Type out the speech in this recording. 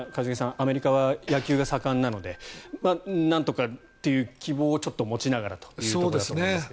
アメリカは野球が盛んなのでなんとかという希望をちょっと持ちながらということだと思いますが。